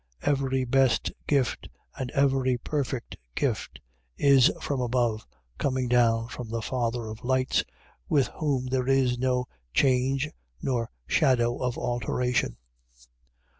1:17. Every best gift and every perfect gift is from above, coming down from the Father of lights, with whom there is no change nor shadow of alteration.